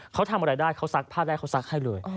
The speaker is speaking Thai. เขาทำอะไรได้เขาซักผ้าแรกเขาซักให้เลย